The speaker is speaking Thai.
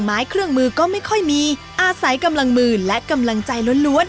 ไม้เครื่องมือก็ไม่ค่อยมีอาศัยกำลังมือและกำลังใจล้วน